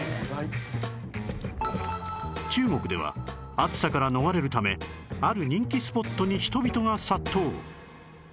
中国では暑さから逃れるためある人気スポットに人々が殺到